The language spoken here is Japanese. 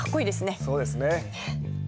そうですね。